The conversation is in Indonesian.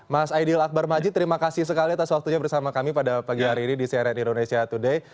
mas aidil akbar majid terima kasih sekali atas waktunya bersama kami pada pagi hari ini di cnn indonesia today